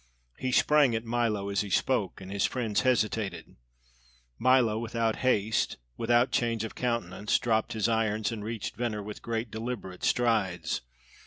He sprang at Milo as he spoke, and his friends hesitated. Milo, without haste, without change of countenance, dropped his irons and reached Venner with great deliberate strides.